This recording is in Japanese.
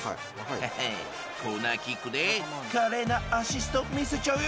コーナーキックで華麗なアシスト、見せちゃうよ。